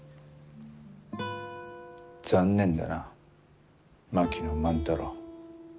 残念だな槙野万太郎。